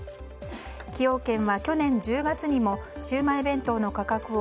崎陽軒は去年１０月にもシウマイ弁当の価格を